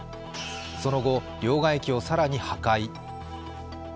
その後、両替機を更に破壊。